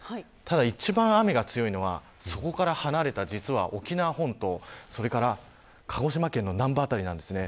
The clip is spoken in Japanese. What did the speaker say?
１番雨が強いのはそこから離れた実は沖縄本島、それから鹿児島県の南部辺りなんですね。